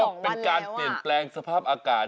ก็เป็นการเปลี่ยนแปลงสภาพอากาศ